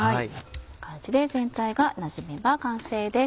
こんな感じで全体がなじめば完成です。